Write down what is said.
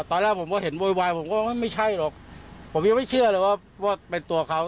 ตอนแรกผมก็เห็นโวยวายผมก็ว่าไม่ใช่หรอกผมยังไม่เชื่อเลยว่าเป็นตัวเขา